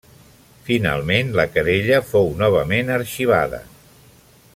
Finalment, la querella fou novament arxivada.